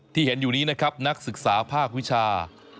ที่เห็นอยู่นี้นะครับนักศึกษาภาควิชา